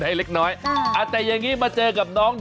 ไฮเล็กน้อยอ่าแต่อย่างงี้มาเจอกับน้องดาว